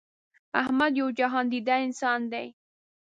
احمد یو جهان دیده انسان دی.